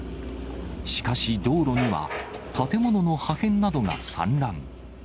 しかし、道路には建物の破片などが散乱。